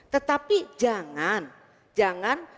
tetapi jangan jangan